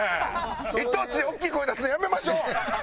一等地で大きい声出すのやめましょう！